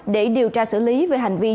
để điều tra xử lý về hành vi